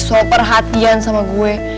sok perhatian sama gue